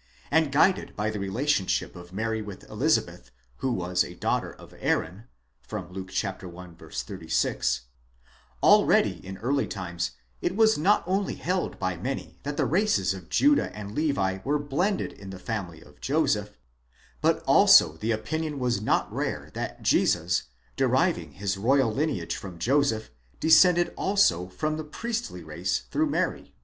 ° and guided by the relationship of Mary with Eliza beth, who was a daughter of Aaron (Luke i. 36) ; already in early times it was not only held by many that the races of Judah and Levi were blended in the family of Joseph ; 1: but also the opinion was not rare that Jesus, deriving his royal lineage from Joseph, descended also from the priestly race through Mary.!